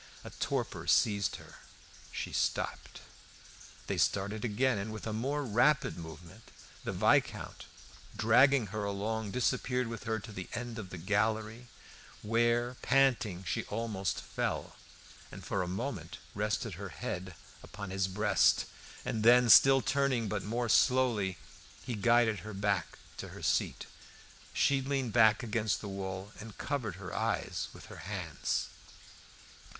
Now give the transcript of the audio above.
A torpor seized her; she stopped. They started again, and with a more rapid movement; the Viscount, dragging her along disappeared with her to the end of the gallery, where panting, she almost fell, and for a moment rested her head upon his breast. And then, still turning, but more slowly, he guided her back to her seat. She leaned back against the wall and covered her eyes with her hands.